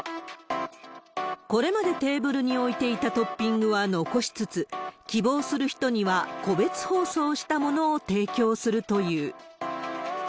これまでテーブルに置いていたトッピングは残しつつ、希望する人には個別包装したものを提供するという。